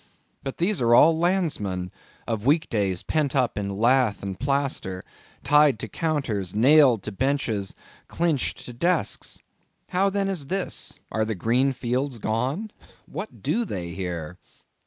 But these are all landsmen; of week days pent up in lath and plaster—tied to counters, nailed to benches, clinched to desks. How then is this? Are the green fields gone? What do they here?